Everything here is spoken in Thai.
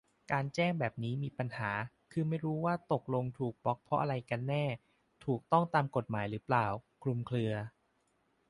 การแจ้งแบบนี้มีปัญหา คือ ไม่รู้ว่าตกลงถูกบล็อคเพราะอะไรกันแน่ ถูกต้องตามกฎหมายหรือเปล่า คลุมเครือ